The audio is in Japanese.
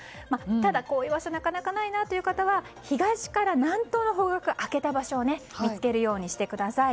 ただ、こういう場所はなかなか、ないなという方は東から南東の方角、開けた場所を見つけるようにしてください。